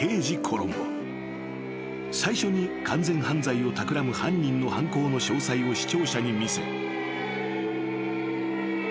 ［最初に完全犯罪をたくらむ犯人の犯行の詳細を視聴者に見せ］